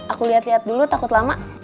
aku lihat lihat dulu takut lama